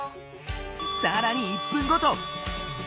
さらに１分ごと！